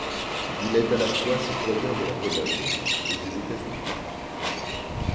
Il est à la fois citoyen de la Pologne et des États-Unis.